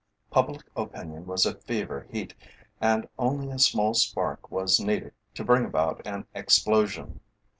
Public opinion was at fever heat, and only a small spark was needed to bring about an explosion.